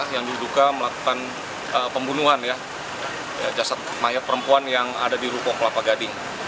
yang diduga melakukan pembunuhan ya jasad mayat perempuan yang ada di ruko kelapa gading